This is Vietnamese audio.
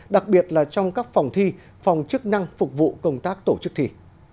đặc biệt là trong các phòng thi phòng chức năng phục vụ công tác tổ chức thi